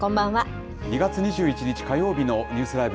２月２１日火曜日のニュースＬＩＶＥ！